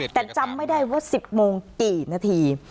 แต่จำไม่ได้ว่า๑๐โมงกี่นาที